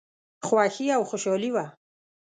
خوښي او خوشالي وه.